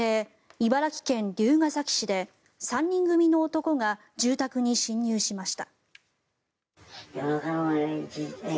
茨城県龍ケ崎市で３人組の男が住宅に侵入しました。